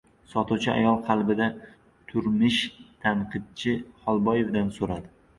Sotuvchi ayol qabatida turmish tanqidchi Xolboyevdan so‘radi: